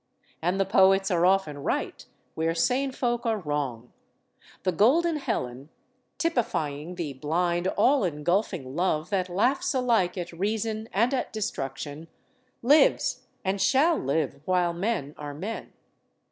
And the poets are often right, where sane folk are wrong. The golden Helen typifying the blind, all engulfing love that laughs alike at reason and at destruction lives and shall live while men are men.